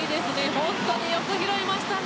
本当によく上げましたね。